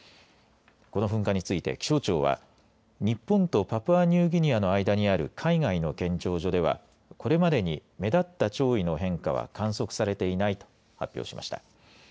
この噴火について気象庁は日本とパプアニューギニアの間にある海外の検潮所ではこれまでに目立った潮位の変化は観測されていないと発表しました。